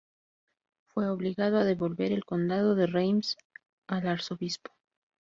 Fue obligado a devolver el condado de Reims al arzobispo.